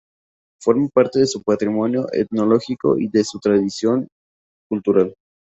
Forma parte de su patrimonio etnológico y de su tradición cultural.